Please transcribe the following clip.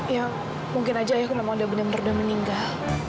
ya mungkin aja ya aku memang udah bener bener udah meninggal